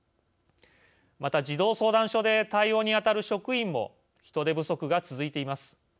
また、児童相談所で対応に当たる職員も人手不足が続いています。